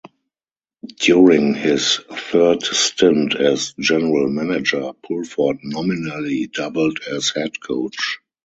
During his third stint as general manager, Pulford nominally doubled as head coach.